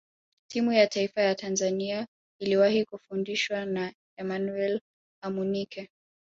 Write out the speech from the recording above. timu ya taifa ya tanzania iliwahi kufundishwa na emmanuel amunike